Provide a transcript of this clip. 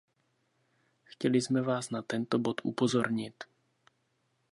Chtěli jsme vás na tento bod upozornit.